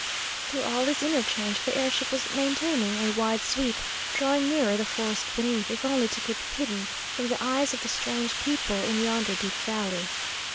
Through all this interchange the air ship was maintaining a wide sweep, drawing nearer the forest beneath, if only to keep hidden from the eyes of the strange people in yonder deep valley.